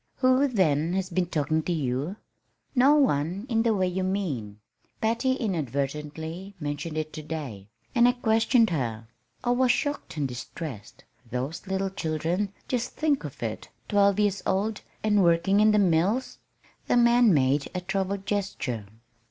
"Who, then, has been talking to you?" "No one in the way you mean. Patty inadvertently mentioned it to day, and I questioned her. I was shocked and distressed. Those little children just think of it twelve years old, and working in the mills!" The man made a troubled gesture.